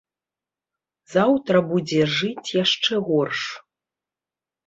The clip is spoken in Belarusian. Заўтра будзе жыць яшчэ горш.